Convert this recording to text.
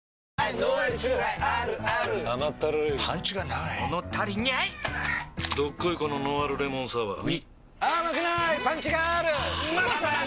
どっこいこのノンアルレモンサワーうぃまさに！